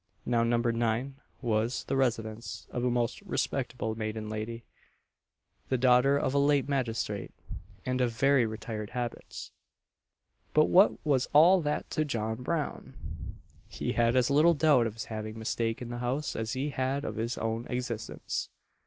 Now No. 9 was the residence of a most respectable maiden lady, the daughter of a late magistrate, and of very retired habits. But what was all that to John Brown? he had as little doubt of his having mistaken the house as he had of his own existence.